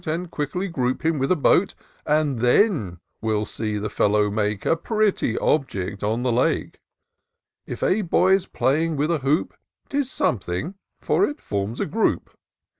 And quickly group him with a boat. You then will see the fellow make A pretty object on the Lake. If a boy's playing with a hoop, 'Tis something, for it forms a group. IN SEARCH OF THE PICTURESQUE.